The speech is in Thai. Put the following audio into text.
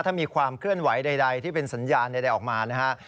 ถ้ามีความเคลื่อนไหวใดที่เป็นสัญญาณใดออกมานะฮะ